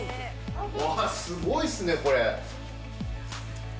わー、すごいっすね、これ。